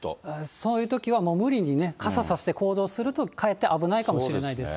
そういうときは、もう無理にね、傘差して行動すると、かえって危ないかもしれないですね。